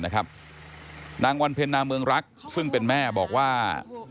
นางวันเพ็ญนาเมืองรักซึ่งเป็นแม่บอกว่า